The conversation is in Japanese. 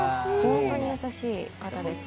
本当に優しい方です。